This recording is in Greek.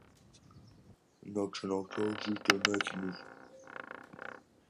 να ξαναφτιάξεις το έθνος σου.